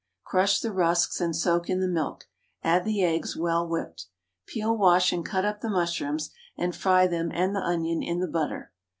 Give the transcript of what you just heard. Crush the rusks and soak in the milk; add the eggs well whipped. Peel, wash, and cut up the mushrooms, and fry them and the onion in the butter.